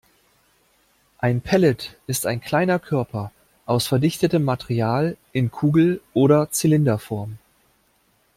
Ein Pellet ist ein kleiner Körper aus verdichtetem Material in Kugel- oder Zylinderform.